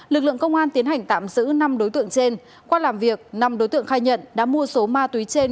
lực lượng công an tiến hành tạm giữ năm đối tượng trên qua làm việc năm đối tượng khai nhận đã mua số ma túy trên